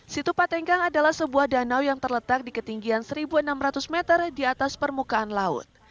situpa tenggang adalah sebuah danau yang terletak di ketinggian seribu enam ratus meter di atas permukaan laut